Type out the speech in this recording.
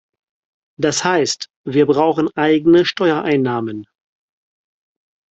Das heißt, wir brauchen eigene Steuereinnahmen.